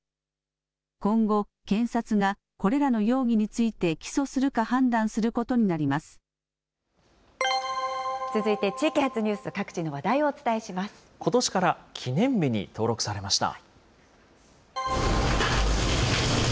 今後、検察がこれらの容疑について、起訴するか判断することにな続いて地域発ニュース、各地ことしから記念日に登録されました。